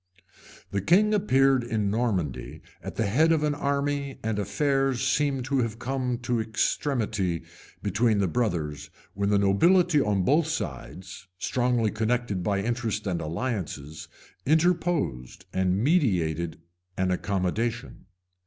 The king appeared in Normandy at the head of an army and affairs seemed to have come to extremity between the brothers, when the nobility on both sides, strongly connected by interest and alliances, interposed, and meditated an accommodation.